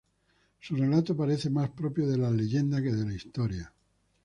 Su relato parece más propio de la leyenda que de la historia.